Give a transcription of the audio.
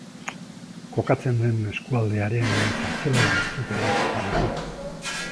Kokatzen den eskualdearen zertzelada batzuk ere baditu.